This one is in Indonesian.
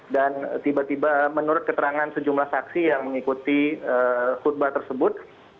dan tiba tiba menurut keterangan sejumlah saksi yang mengikuti kudus tersebut